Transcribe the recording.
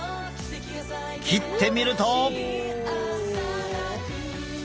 切ってみると。